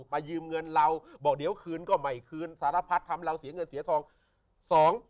มายืมเงินเราบอกเดี๋ยวคืนก็ไม่คืนสารพัดทำเราเสียเงินเสียทอง